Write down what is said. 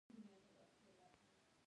هغوی د خلکو حق نه منلو.